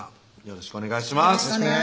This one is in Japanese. よろしくお願いします